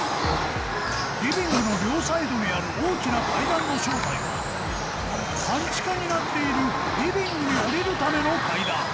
リビングの両サイドにある大きな階段の正体は半地下になっているリビングに下りる為の階段